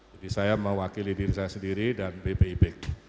jadi saya mewakili diri saya sendiri dan bpib